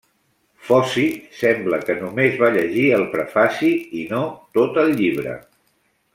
Foci sembla que només va llegir el prefaci i no tot el llibre.